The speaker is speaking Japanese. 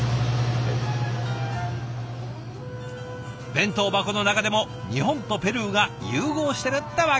弁当箱の中でも日本とペルーが融合してるってわけ。